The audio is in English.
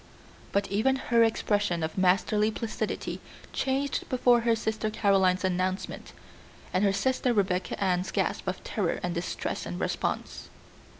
But even her expression of masterly placidity changed before her sister Caroline's announcement and her sister Rebecca Ann's gasp of terror and distress in response.